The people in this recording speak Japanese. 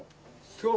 そう。